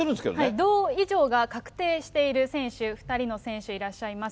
銅以上が確定している選手、２人の選手いらっしゃいます。